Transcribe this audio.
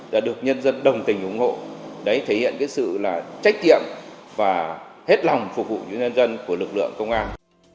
đã được nhân dân đồng tình ủng hộ thể hiện sự trách tiệm và hết lòng phục vụ cho nhân dân của lực lượng công an